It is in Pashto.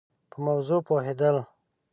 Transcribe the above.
په موضوع پوهېد ل